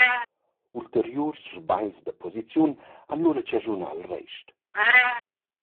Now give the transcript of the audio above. Ulteriurs sbagls da posiziun han lura chaschunà il rest.